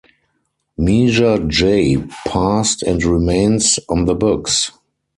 Measure J passed and remains on the books.